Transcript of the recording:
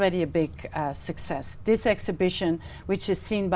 đừng để tiếng tiếng là một vấn đề